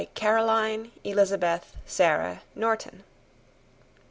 Caroline Elizabeth Sarah Norton.